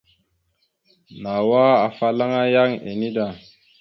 Nawa afalaŋa yaŋ enida.